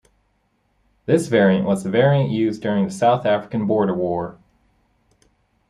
This variant was the variant used during the South African Border War.